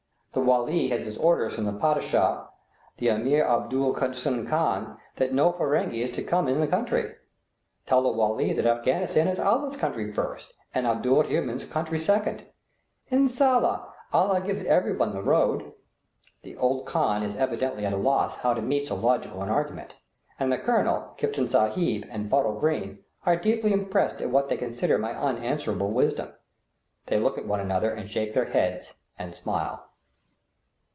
"The Wali has his orders from the Padishah, the Ameer Abdur Eahman Khan, that no Ferenghi is to come in the country." "Tell the Wali that Afghanistan is Allah's country first and Abdur Eahman's country second. Inshallah, Allah gives everybody the road." The old khan is evidently at a loss how to meet so logical an argument, and the colonel, Kiftan Sahib, and Bottle Green are deeply impressed at what they consider my unanswerable wisdom. They look at one another and shake their heads and smile.